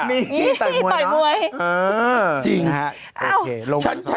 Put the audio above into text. มีต่อยมวยเนอะ